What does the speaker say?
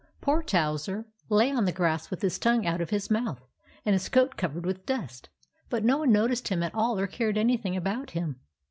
Poor Towser lay on the grass with his tongue out of his mouth, and his coat covered with dust ; but no one noticed him at all or cared anything about him.